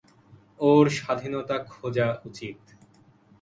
ওর স্বাধীনতা খোঁজা উচিত।